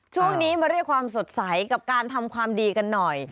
ช่วงนี้มาด้วยความสดใสกับการทำความดีกันหน่อย